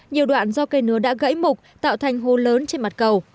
nhiều đoạn do cây nứa đã gãy mục tạo thành hô lớn trên mặt cầu